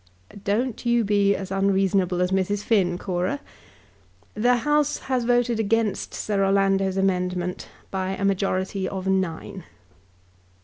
"Don't you be as unreasonable as Mrs. Finn, Cora. The House has voted against Sir Orlando's amendment by a majority of nine."